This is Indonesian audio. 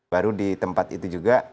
baru di tempat itu juga